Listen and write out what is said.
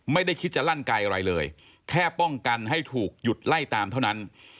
ไม่ได้คิดจะลั่นไกลอะไรเลยแค่ป้องกันให้ถูกหยุดไล่ตามเท่านั้น